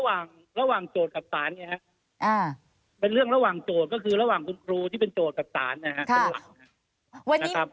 ก็ท่านนี้มันเป็นเรื่องระหว่างโจทย์กับสารเนี่ยครับเป็นเรื่องระหว่างโจทย์ก็คือระหว่างคุณครูที่เป็นโจทย์กับสารนะครับ